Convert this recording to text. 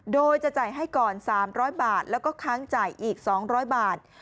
โดยจะจ่ายให้ก่อน๓๐๐บาทแล้วก็ค้างจ่ายอีก๒๐๐บาท